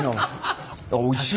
おいしい。